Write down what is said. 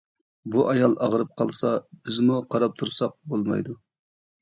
بۇ ئايال ئاغرىپ قالسا بىزمۇ قاراپ تۇرساق بولمايدۇ.